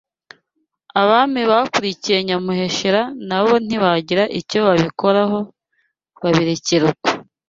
Abami bakurikiye Nyamuheshera nabo ntibagira icyo babikoraho babirekera uko